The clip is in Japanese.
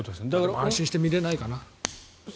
安心して見れないかな？